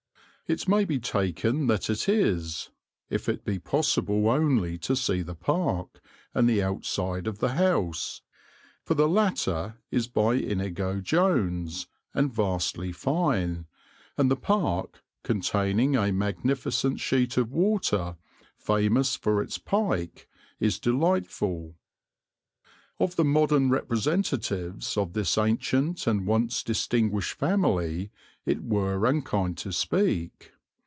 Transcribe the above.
It may be taken that it is, if it be possible only to see the park and the outside of the house; for the latter is by Inigo Jones, and vastly fine; and the park, containing a magnificent sheet of water famous for its pike, is delightful. Of the modern representatives of this ancient and once distinguished family it were unkind to speak.